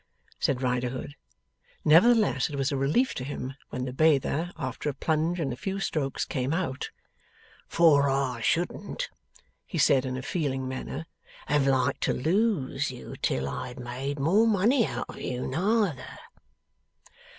said Riderhood. Nevertheless it was a relief to him when the bather after a plunge and a few strokes came out. 'For I shouldn't,' he said in a feeling manner, 'have liked to lose you till I had made more money out of you neither.